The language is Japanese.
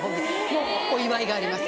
もうお祝いがあります。